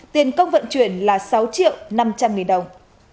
tiền công vận chuyển là sáu triệu năm trăm linh nghìn đồng